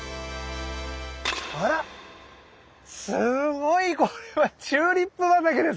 あらすごいこれはチューリップ畑ですかこれ。